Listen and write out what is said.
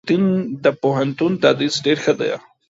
دپوهنتون تدريس ډير ښه دی.